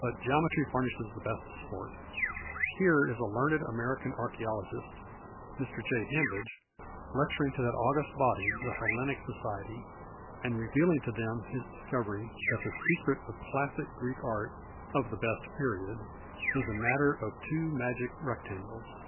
But geometry furnishes the best sport. Here is a learned American archicologist, Mr. .Jay Hambidge, lecturing to that august body the Hellenic Society and revealing to them his discovery that the secret of classic Greek art (of the best period) is a matter of two magic rectangles.